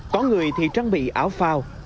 có người thì trang bị áo phao